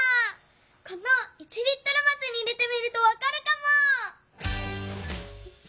この１リットルますに入れてみるとわかるかも。